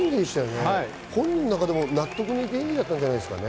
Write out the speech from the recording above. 本人の中でも納得のいく演技だったじゃないですかね。